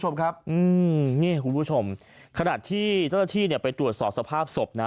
ชมครับคุณผู้ชมขนาดที่เจ้าที่เนี่ยไปตรวจสอบสภาพศพนะ